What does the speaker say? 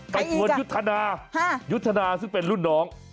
ไปชวนยุทธนายุทธนาซึ่งเป็นรุ่นน้อง